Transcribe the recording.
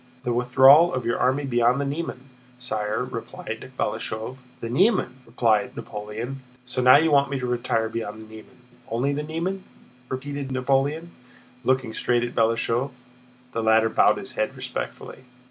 "The withdrawal of your army beyond the Niemen, sire," replied Balashëv. "The Niemen?" repeated Napoleon. "So now you want me to retire beyond the Niemen—only the Niemen?" repeated Napoleon, looking straight at Balashëv. The latter bowed his head respectfully.